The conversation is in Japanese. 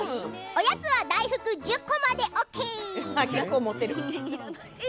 おやつは大福１０個までＯＫ！